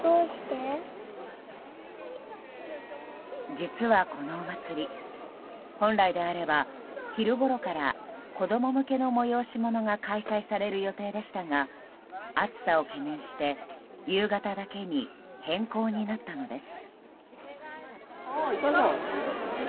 実は、このお祭り本来であれば昼ごろから子供向けの催し物が開催される予定でしたが暑さを懸念して夕方だけに変更になったのです。